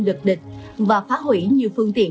lực địch và phá hủy nhiều phương tiện